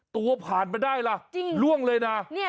ตัวผ่านไปได้ล่ะล่วงเลยนะ